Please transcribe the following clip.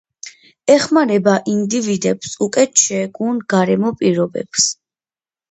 ეხმარება ინდივიდებს უკეთ შეეგუონ გარემო პირობებს.